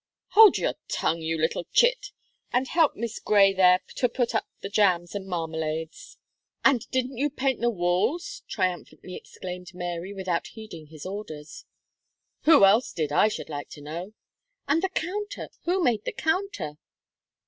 "Hold your tongue you little chit, and help Miss Gray there to put up the jams and marmalades." "And didn't you paint the walls?" triumphantly exclaimed Mary, without heeding his orders. "Who else did, I should like to know?" "And the counter! who made the counter?"